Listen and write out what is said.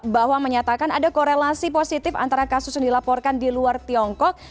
bahwa menyatakan ada korelasi positif antara kasus yang dilaporkan di luar tiongkok